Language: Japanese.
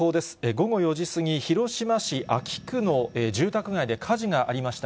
午後４時過ぎ、広島市安芸区の住宅街で火事がありました。